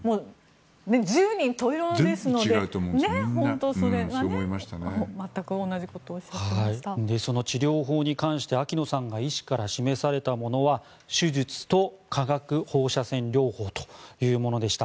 十人十色ですので本当にそれは全く同じことをその治療法に関して秋野さんが医師から示されたものは手術と化学放射線療法というものでした。